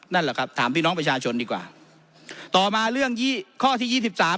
นั่นแหละครับถามพี่น้องประชาชนดีกว่าต่อมาเรื่องยี่ข้อที่ยี่สิบสาม